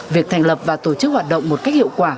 việc thành lập và tổ chức hoạt động một cách hiệu quả